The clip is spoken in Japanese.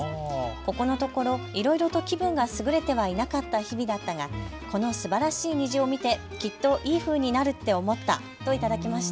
ここのところ、いろいろと気分がすぐれてはいなかった日々だったがこのすばらしい虹を見てきっといいふうになるって思ったと頂きました。